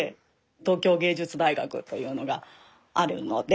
東京藝術大学というのがあるので。